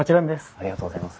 ありがとうございます。